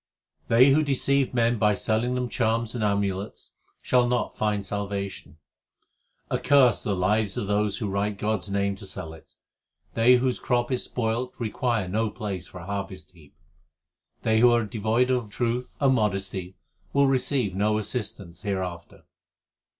They who deceive men by selling them charms and amulets shall not find salvation : Accursed the lives of those who write God s name to sell it. They whose crop is spoiled require no place for a har\ v t heap. They who are devoid of truth and modesty will recvivr no assistance hereafter.